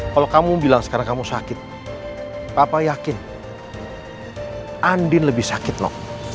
kalau kamu bilang sekarang kamu sakit papa yakin andin lebih sakit loh